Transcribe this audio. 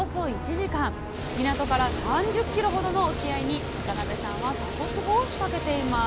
港から３０ｋｍほどの沖合に渡辺さんはたこつぼを仕掛けています。